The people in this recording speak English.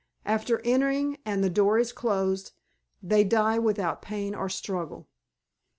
After entering and the door is closed, they die without pain or struggle.